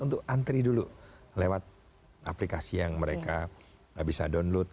untuk antri dulu lewat aplikasi yang mereka bisa download